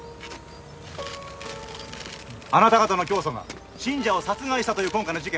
あなた方の教祖が信者を殺害したという今回の事件